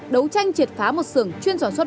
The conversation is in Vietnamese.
đấu tranh triệt phá một sưởng chuyên sản xuất